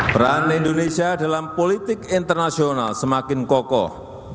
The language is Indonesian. peran indonesia dalam politik internasional semakin kokoh